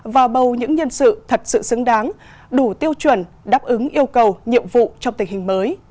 và bầu những nhân sự thật sự xứng đáng đủ tiêu chuẩn đáp ứng yêu cầu nhiệm vụ trong tình hình mới